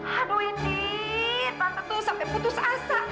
aduh indi tante tuh sampe putus asa